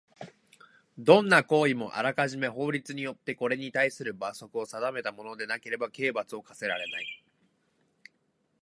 どんな行為もあらかじめ法律によってこれにたいする罰則を定めたものでなければ刑罰を科せられない。